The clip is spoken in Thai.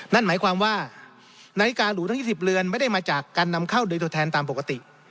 นั่นหมายความว่านาฬิกาหรูทั้ง๒๐เรือนไม่ได้มาจากการนำเข้าโดยตัวแทนตามปกติ